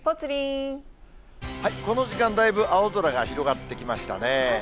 この時間、だいぶ青空が広がってきましたね。